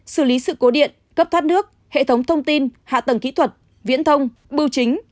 xử lý sự cố điện cấp thoát nước hệ thống thông tin hạ tầng kỹ thuật viễn thông bưu chính